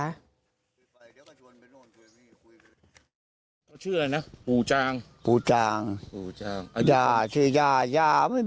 เธอชื่ออะไรนะ